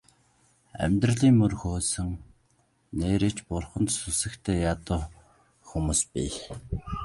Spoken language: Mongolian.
Амьдралын мөр хөөсөн нээрээ ч бурханд сүсэгтэй ядуу хүмүүс бий.